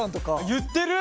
言ってる。